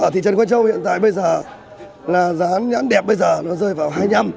ở thị trấn quang châu hiện tại bây giờ là giá nhãn đẹp bây giờ nó rơi vào hai mươi năm